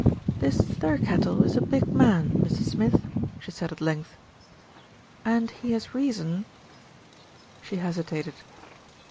"This Thirkettle is a big man, Mr. Smith," she said at length, "and he has reason " She hesitated.